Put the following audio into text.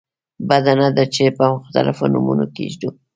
بده نه ده چې مختلف نومونه کېږدو.